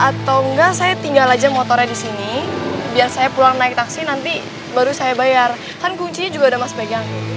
atau enggak saya tinggal aja motornya di sini biar saya pulang naik taksi nanti baru saya bayar kan kuncinya juga udah mas pegang